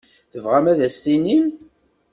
Tebɣam ad as-tinim?